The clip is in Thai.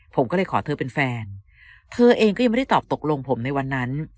ผมก็เลยขอเธอเป็นแฟนเธอเองก็ยังไม่ได้ตอบตกลงผมในวันนั้น